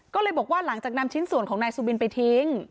ก็เลยบอกว่าหลังจากนำชิ้นส่วนของนายสุบินไปทิ้ง